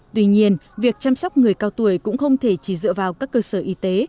tuy nhiên việc chăm sóc người cao tuổi cũng không thể chỉ dựa vào các cơ sở y tế